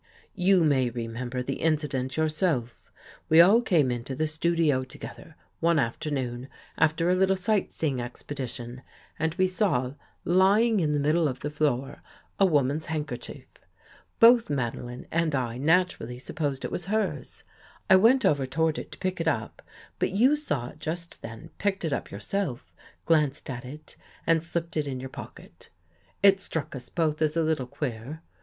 " You may remember the incident yourself. We all came into the studio together, one afternoon, after a little sight seeing expedition, and we saw lying in the 29 THE GHOST GIRL middle of the floor, a woman's handkerchief. Both Madeline and I naturally supposed it was hers. I went over toward it to pick it up, but you saw it just then, picked it up yourself, glanced at it, and slipped it in your pocket. It struck us both as a little queer.